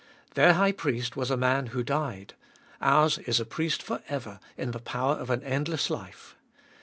Their high priest was a man who died ; ours is a Priest for ever, in the power of an endless life.